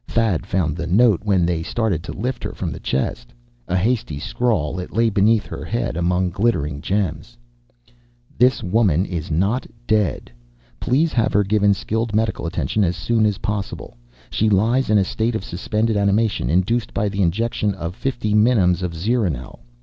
Thad found the note when they started to lift her from the chest. A hasty scrawl, it lay beneath her head, among glittering gems. "This woman is not dead. Please have her given skilled medical attention as soon as possible. She lies in a state of suspended animation, induced by the injection of fifty minims of zeronel.